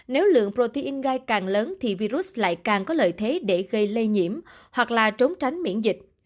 nếu lượng protein gai càng lớn thì virus lại càng có lợi thế để gây lây nhiễm hoặc là trốn tránh miễn dịch